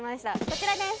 こちらです。